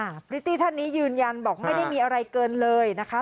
พริตตี้ท่านนี้ยืนยันบอกไม่ได้มีอะไรเกินเลยนะคะ